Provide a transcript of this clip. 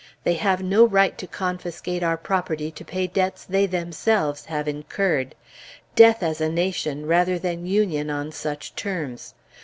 They have no right to confiscate our property to pay debts they themselves have incurred. Death as a nation, rather than Union on such terms.